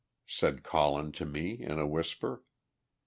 said Colin to me in a whisper.